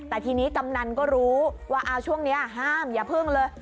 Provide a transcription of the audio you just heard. แต่ทีนี้กำนันก็รู้ว่าช่วงนี้ห้ามอย่าพึ่งเลย